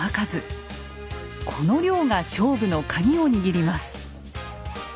この量が勝負の鍵を握ります。